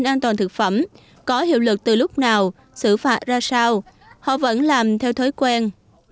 an toàn thực phẩm có hiệu lực từ lúc nào xử phạt ra sao họ vẫn làm theo thói quen